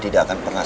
tidak akan pernah